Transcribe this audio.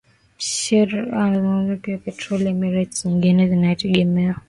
Sharjah zinazalisha pia petroli Emirati nyingine zinategemea